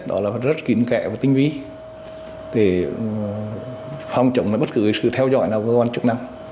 đó là rất kín kẹ và tinh ví để phong trọng bất cứ sự theo dõi nào của công an chức năng